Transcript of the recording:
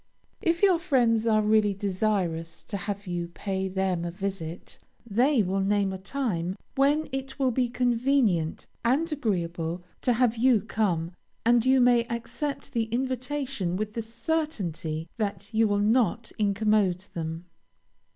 If your friends are really desirous to have you pay them a visit, they will name a time when it will be convenient and agreeable to have you come, and you may accept the invitation with the certainty that you will not incommode them.